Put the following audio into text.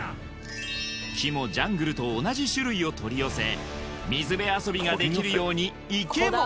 木もジャングルと同じ種類を取り寄せ水辺遊びができるように池も！